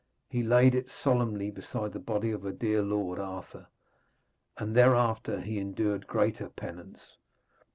He laid it solemnly beside the body of her dear lord Arthur, and thereafter he endured greater penance.